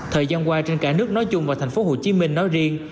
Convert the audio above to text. thời gian qua trên cả nước nói chung và thành phố hồ chí minh nói riêng